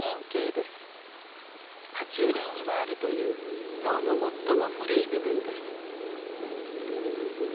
は虫類にもあるという脳の最も古い部分です。